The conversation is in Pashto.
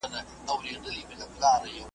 هر دولت او هر قوت لره آفت سته .